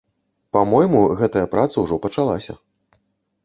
Па-мойму, гэтая праца ўжо пачалася.